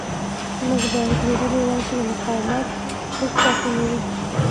موږ باید لیدلی وای چې د مقاومت څوک پاتې نه وي